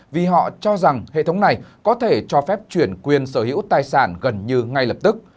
vì họ cho rằng hệ thống này có thể cho phép chuyển quyền sở hữu tài sản gần như ngay lập tức